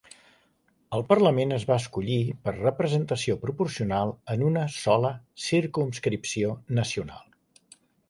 El Parlament es va escollir per representació proporcional en una sola circumscripció nacional.